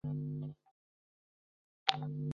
有了房子就是有一个家